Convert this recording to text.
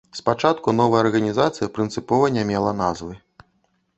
Спачатку новая арганізацыя прынцыпова не мела назвы.